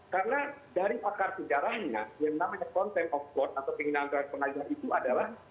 karena dari akar sejarahnya yang namanya contempt of court atau penggunaan pengadilan itu adalah